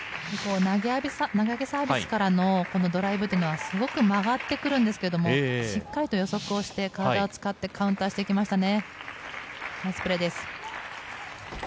投げ上げサービスからのドライブというのはすごく曲がってくるんですけれどもしっかりと予測をして体を使ってカウンターしていきましたね。